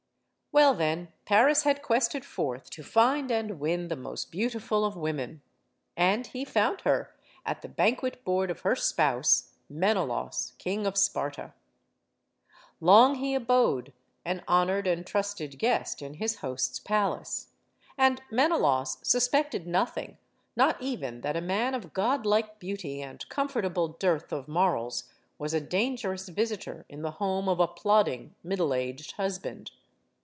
Well, then, Paris had quested forth to find and win the most beautiful of women. And he found her at the banquet board of her spouse, Menelaus, King of Sparta. Long he abode, an honored and trusted guest in his host's palace. And Menelaus suspected nothing, not even that a man of godlike beauty and comfortable dearth of morals was a dangerous visitor in the home of a plodding, middleaged husband.